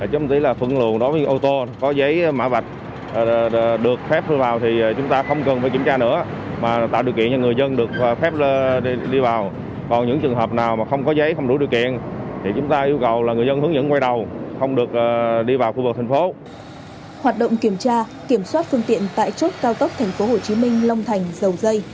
hoạt động kiểm tra kiểm soát phương tiện tại chốt cao tốc tp hcm long thành dầu dây